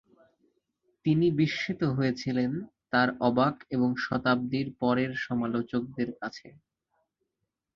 তিনি বিস্মিত হয়েছিলেন, তার অবাক এবং শতাব্দীর পরের সমালোচকদের কাছে।